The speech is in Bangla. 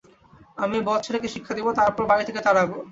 আমি ঐ বদ ছেলেকে শিক্ষা দেব, তারপর বাড়ি থেকে তাড়াব।